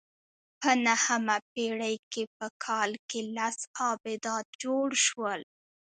په نهمه پېړۍ کې په کال کې لس آبدات جوړ شول